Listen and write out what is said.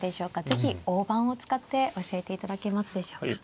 是非大盤を使って教えていただけますでしょうか。